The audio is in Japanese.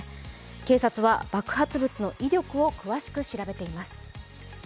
警察は爆発物の威力を詳しく調べています。